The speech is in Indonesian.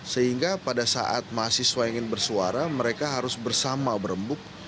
sehingga pada saat mahasiswa ingin bersuara mereka harus bersama berembuk